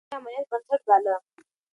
هغه د کورنۍ امنيت بنسټ باله.